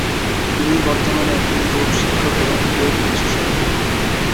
তিনি বর্তমানে একজন যোগ শিক্ষক এবং বেদ বিশেষজ্ঞ।